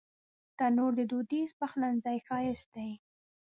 تنور د دودیز پخلنځي ښایست دی